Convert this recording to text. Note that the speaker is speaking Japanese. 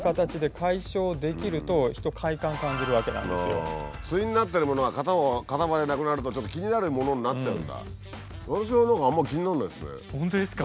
これが対になってるものが片方片割れなくなるとちょっと気になるものになっちゃうんだ。